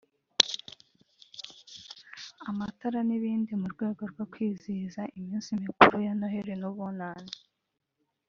amatara n’ibindi mu rwego rwo kwizihiza iminsi mikuru ya Noheli n’Ubunane